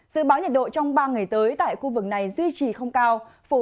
dự báo nhiệt độ trong ba ngày tới tại khu vực này duy trì không cao